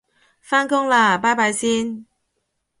返工喇拜拜先